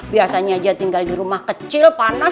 biasanya dia tinggal di rumah kecil panas